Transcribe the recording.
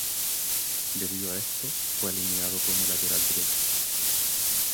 Debido a esto fue alineado como lateral derecho.